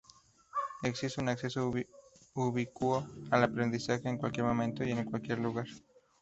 Existe un acceso ubicuo al aprendizaje, en cualquier momento y en cualquier lugar.